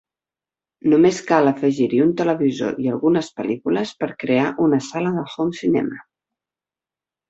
Només cal afegir-hi un televisor i algunes pel·lícules per crear una sala de home cinema.